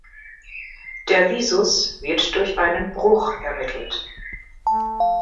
Der Visus wird durch einen Bruch ermittelt.